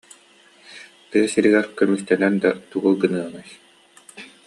Тыа сиригэр көмүстэнэн да тугу гыныаҥый